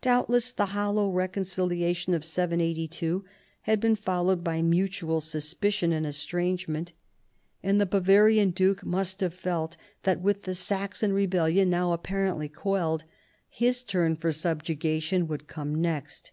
Doubtless the hollow reconciliation of 782 had been followed by mutual suspicion and estrangement : and the Bava 12 178 CHARLEMAGNE. rian duke must have felt that, with the Saxon rebel lion now apparently quelled, his turn for subjugation would come next.